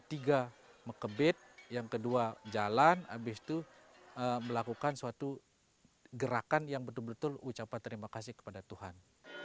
tiga mekebit yang kedua jalan habis itu melakukan suatu gerakan yang betul betul ucapan terima kasih kepada tuhan